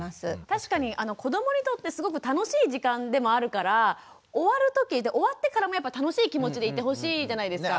確かに子どもにとってすごく楽しい時間でもあるから終わってからも楽しい気持ちでいてほしいじゃないですか。